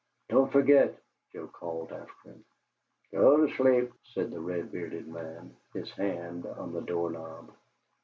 "Don't forget," Joe called after him. "Go to sleep," said the red bearded man, his hand on the door knob.